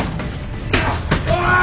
おい！